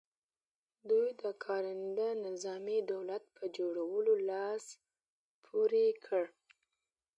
دوی د کارنده نظامي دولت پر جوړولو لاس پ ورې کړ.